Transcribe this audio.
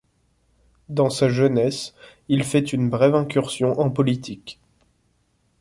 Dans sa jeunesse, il fait une brève incursion en politique.